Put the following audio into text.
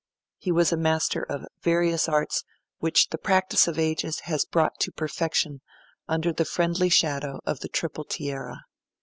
He was a master of various arts which the practice of ages has brought to perfection under the friendly shadow of the triple tiara.